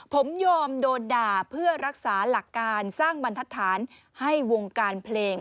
ผมยอมโดนด่าเพื่อรักษาหลักการสร้างบรรทัศน์ให้วงการเพลง